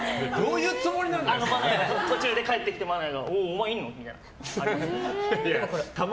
愛弥が途中で帰ってきておお、お前いんの？みたいな。